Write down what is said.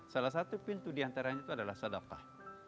salah satu pintu diantaranya itu adalah sadakah